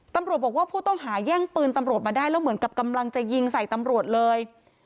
ตำรวจบอกว่าผู้ต้องหาแย่งปืนตำรวจมาได้แล้วเหมือนกับกำลังจะยิงใส่ตำรวจเลย